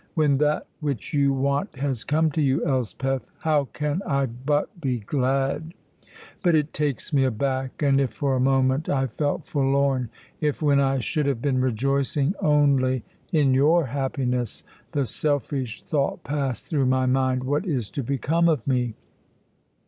"When that which you want has come to you, Elspeth, how can I but be glad? But it takes me aback, and if for a moment I felt forlorn, if, when I should have been rejoicing only in your happiness, the selfish thought passed through my mind, 'What is to become of me?'